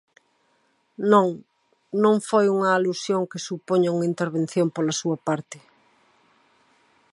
Non, non foi unha alusión que supoña unha intervención pola súa parte.